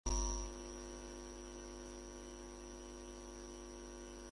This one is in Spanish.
Es originario de Colombia hasta el norte de Argentina.